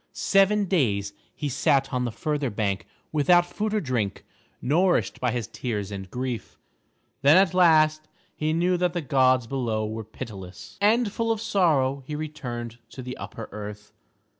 Seven days he sat on the further bank without food or drink, nourished by his tears and grief. Then at last he knew that the gods below were pitiless; and full of sorrow he returned to the upper earth.